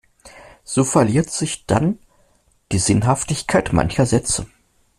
So verliert sich dann die Sinnhaftigkeit mancher Sätze.